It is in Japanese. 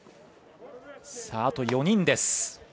あと４人です